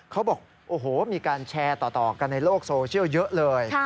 เขาบอกโอ้โหมีการแชร์ต่อกันในโลกโซเชียลเยอะเลย